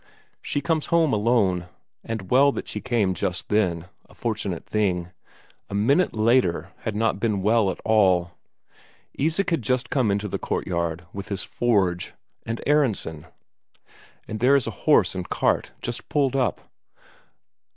She comes home alone. And well that she came just then, a fortunate thing. A minute later had not been well at all. Isak had just come into the courtyard with his forge, and Aronsen and there is a horse and cart just pulled up.